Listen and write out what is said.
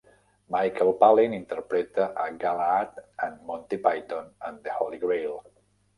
Michael Palin interpreta a Galahad en "Monty Python and The Holy Grail"